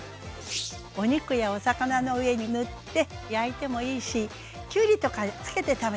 お肉やお魚の上に塗って焼いてもいいしきゅうりとかつけて食べてもいいわね。